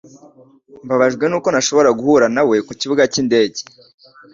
Mbabajwe nuko ntashobora guhura nawe kukibuga cyindege.